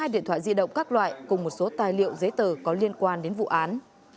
một mươi điện thoại di động các loại cùng một số tài liệu giấy tờ có liên quan đến vụ án